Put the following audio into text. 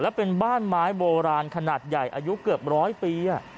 และเป็นบ้านไม้โบราณขนาดใหญ่อายุเกือบร้อยปี